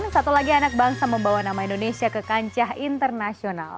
satu lagi anak bangsa membawa nama indonesia ke kancah internasional